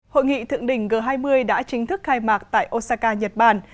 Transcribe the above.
hội nghị thượng đỉnh g hai mươi đã chính thức khai mạc tại osaka nhật bản